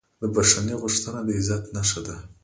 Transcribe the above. د بښنې غوښتنه د عزت نښه ده.